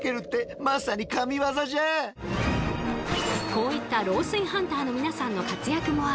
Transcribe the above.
こういった漏水ハンターの皆さんの活躍もあり